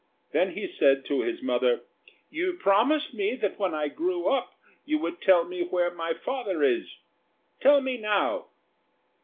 Then he said to his mother, "You promised me that when I grew up you would tell me where my father is. Tell me now."